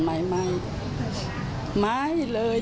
ไม่ไม่เลย